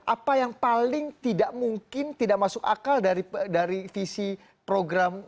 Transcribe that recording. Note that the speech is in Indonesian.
apa yang paling tidak mungkin tidak masuk akal dari visi program